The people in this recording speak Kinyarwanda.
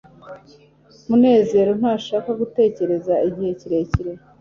munezero ntashaka gutegereza igihe kirekire